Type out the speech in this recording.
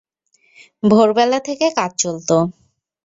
ভোরবেলা থেকে কাজ চলত।